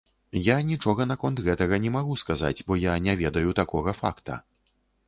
Я нічога наконт гэтага не магу сказаць, бо я не ведаю такога факта.